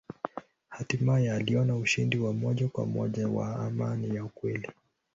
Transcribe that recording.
Hatimaye aliona ushindi wa moja kwa moja wa imani ya kweli.